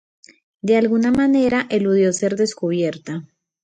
De alguna manera, eludió ser descubierta.